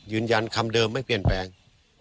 ยืนยันคำเดิมไม่เปลี่ยนแปลง